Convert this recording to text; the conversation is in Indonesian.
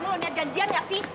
mau lihat janjian gak sih